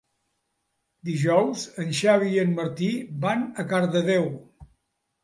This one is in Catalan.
Dijous en Xavi i en Martí van a Cardedeu.